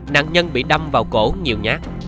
nạn nhân bị đâm vào cổ nhiều nhát